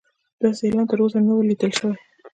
داسې اعلان تر اوسه نه و لیدل شوی.